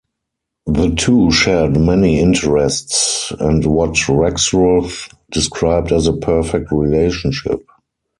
The two shared many interests and what Rexroth described as a perfect relationship.